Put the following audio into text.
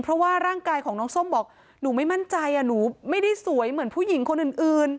เพราะว่าร่างกายของน้องส้มบอกหนูไม่มั่นใจหนูไม่ได้สวยเหมือนผู้หญิงคนอื่น